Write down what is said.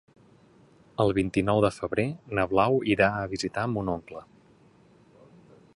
El vint-i-nou de febrer na Blau irà a visitar mon oncle.